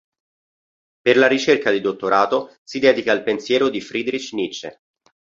Per la ricerca di dottorato si dedica al pensiero di Friedrich Nietzsche.